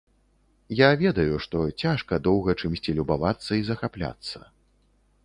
Я ведаю, што цяжка доўга чымсьці любавацца і захапляцца.